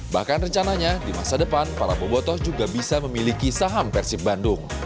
bahkan rencananya di masa depan para boboto juga bisa memiliki saham persib bandung